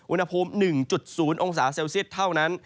อุณหภูมิ๑๐องศาเซลเซียตเท่านั้น